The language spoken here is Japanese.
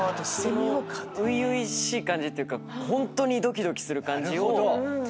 初々しい感じっていうかホントにドキドキする感じをって。